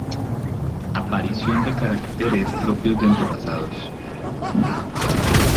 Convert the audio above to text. Aparición de caracteres propios de antepasados.